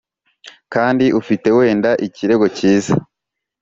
kandi ufite wenda ikirego cyiza